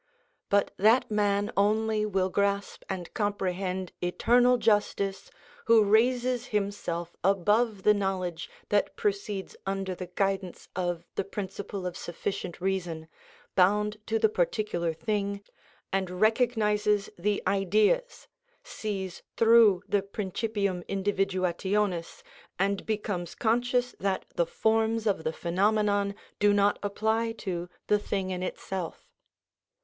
But that man only will grasp and comprehend eternal justice who raises himself above the knowledge that proceeds under the guidance of the principle of sufficient reason, bound to the particular thing, and recognises the Ideas, sees through the principium individuationis, and becomes conscious that the forms of the phenomenon do not apply to the thing in itself.